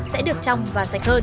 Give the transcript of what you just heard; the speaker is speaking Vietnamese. sẽ được trong và sạch hơn